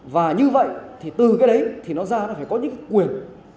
và như vậy thì từ cái đấy thì nó ra nó phải có những quyền